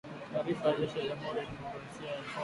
Taarifa ya jeshi la jamhuri ya kidemokrasia ya Kongo